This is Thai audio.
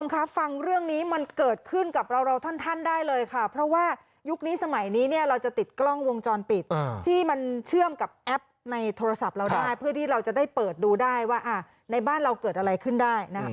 คะฟังเรื่องนี้มันเกิดขึ้นกับเราท่านได้เลยค่ะเพราะว่ายุคนี้สมัยนี้เนี่ยเราจะติดกล้องวงจรปิดที่มันเชื่อมกับแอปในโทรศัพท์เราได้เพื่อที่เราจะได้เปิดดูได้ว่าในบ้านเราเกิดอะไรขึ้นได้นะ